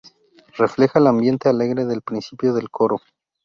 Refleja el ambiente alegre del principio del coro.